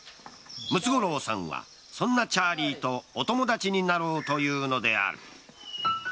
ムツゴロウさんはそんなチャーリーとお友達になろうというのである。